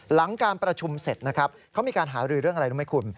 หลังการประชุมเสร็จนะครับเขามีการหารือเรื่องอะไรรู้ไหมคุณ